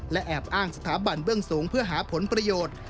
และแอบอ้างสถาบันเบื้องสูงเพื่อหาผลประโยชน์